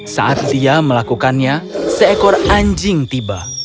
saat zia melakukannya seekor anjing tiba